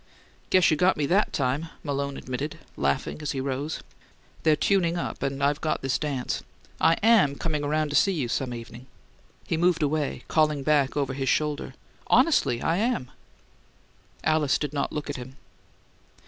"Guess you got me THAT time," Malone admitted, laughing as he rose. "They're tuning up, and I've got this dance. I AM coming around to see you some evening." He moved away, calling back over his shoulder, "Honestly, I am!" Alice did not look at him.